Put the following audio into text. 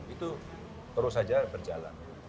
itu terus saja berjalan